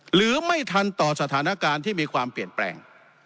หรือไม่ทันต่อสถานการณ์ที่มีความเปลี่ยนแปลง